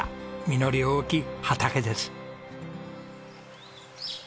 実り多き畑です。